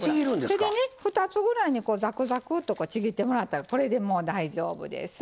手でね２つぐらいにこうザクザクとちぎってもらったらこれでもう大丈夫です。